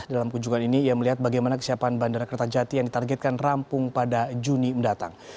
dalam kunjungan ini ia melihat bagaimana kesiapan bandara kertajati yang ditargetkan rampung pada juni mendatang